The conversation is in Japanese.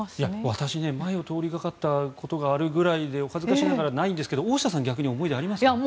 私、前を通りかかったことがあるくらいでお恥ずかしいんですがないんですが大下さん逆に思い出ありますか？